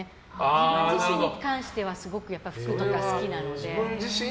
自分自身に関してはすごく服とか好きなので。